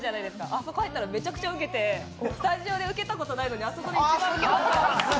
あそこ入ったらめちゃくちゃウケて、スタジオでウケたとないのにあそこで一番ウケたから。